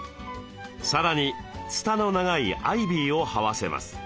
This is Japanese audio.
さらにつたの長いアイビーをはわせます。